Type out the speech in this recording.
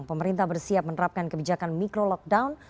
pemerintah bersiap menerapkan kebijakan micro lockdown